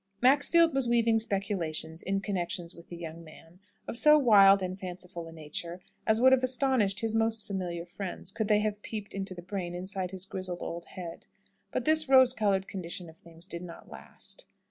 Maxfield was weaving speculations in connection with the young man, of so wild and fanciful a nature as would have astonished his most familiar friends, could they have peeped into the brain inside his grizzled old head. But this rose coloured condition of things did not last.